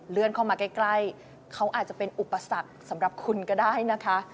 เข้ามาใกล้เขาอาจจะเป็นอุปสรรคสำหรับคุณก็ได้นะคะ